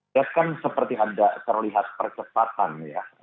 lihat kan seperti ada terlihat percepatan ya